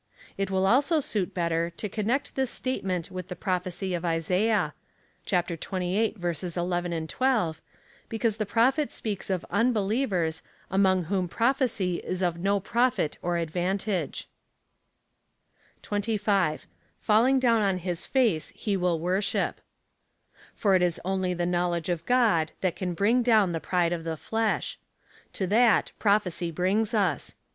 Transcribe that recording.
It will also suit better to connect this statement with the prophecy^ of Isaiah (xxviii. 11, 12,) because the Prophet speaks of unbe lievers, among whom prophecy is of no profit or advantage. 25. Falling down on his face, he will worship. For it is only the knowledge of God that can bring down the pride of the flesh. To that, prophecy brings us.